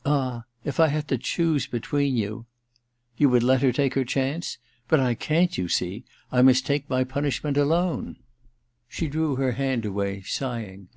' Ah, if I had to choose between you !'* You would let her take her chance ? But I can't, you see. I must take my punishment alone.' She drew her hand away, sighing.